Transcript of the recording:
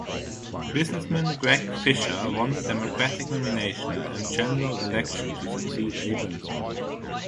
Businessman Greg Fischer won the Democratic nomination and general election to succeed Abramson.